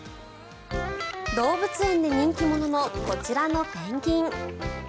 動物園で人気者のこちらのペンギン。